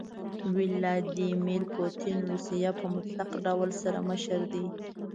ويلاديمير پوتين روسيه په مطلق ډول سره مشر دي.